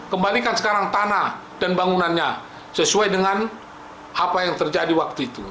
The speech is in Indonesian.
kembalikan sekarang tanah dan bangunannya sesuai dengan apa yang terjadi waktu itu